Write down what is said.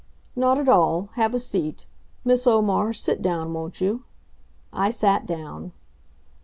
"Not at all. Have a seat. Miss Omar, sit down, won't you?" I sat down.